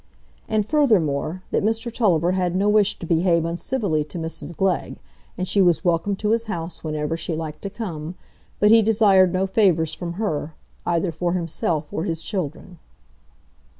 And furthermore, that Mr Tulliver had no wish to behave uncivilly to Mrs Glegg, and she was welcome to his house whenever she liked to come, but he desired no favours from her, either for himself or his children.